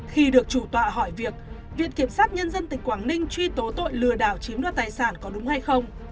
khi được chủ tọa hỏi việc viện kiểm sát nhân dân tỉnh quảng ninh truy tố tội lừa đảo chiếm đoạt tài sản có đúng hay không